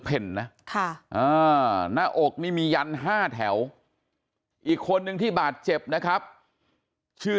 เพ่นนะหน้าอกนี่มียัน๕แถวอีกคนนึงที่บาดเจ็บนะครับชื่อ